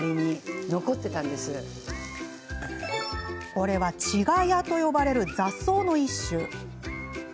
これは、チガヤと呼ばれる雑草の一種。